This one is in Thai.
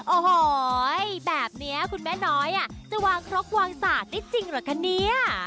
โอ้โหแบบนี้คุณแม่น้อยจะวางครกวางสาดได้จริงเหรอคะเนี่ย